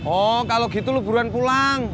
oh kalau gitu lo buruan pulang